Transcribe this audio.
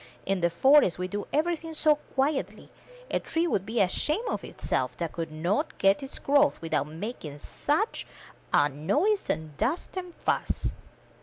In the forest we do everything so quietly. A tree would be ashamed of itself that could not get its growth without making such a 271 MY BOOK HOUSE noise and dust and fuss